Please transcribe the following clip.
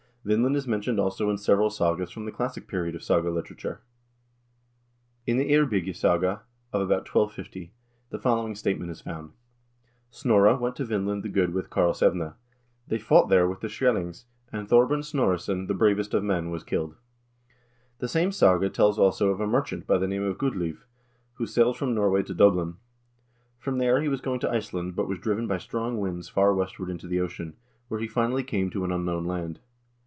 Vinland is mentioned also in several sagas from the classic period of saga literature. In the "Eyrbyggjasaga," of about 1250, the fol lowing statement is found : "Snorre went to Vinland the Good with Karlsevne. They fought there with the Skrselings, and Thorbrand Snorresson, the bravest of men, was killed." The same saga tells also of a merchant by the name of Gudleiv, who sailed from Norway to Dublin. From there he was going to Iceland, but was driven by strong winds far westward into the ocean, where he finally came to an unknown land.